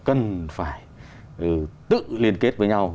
cần phải tự liên kết với nhau